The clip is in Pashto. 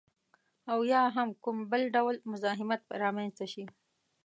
او یا هم کوم بل ډول مزاحمت رامنځته شي